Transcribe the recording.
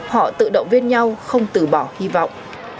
họ tự động viên nhau không từ bỏ hy vọng